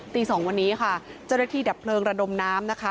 ตี๒วันนี้ค่ะจะได้ที่ดับเปลืองระดมน้ำนะคะ